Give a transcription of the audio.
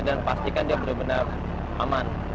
pastikan dia benar benar aman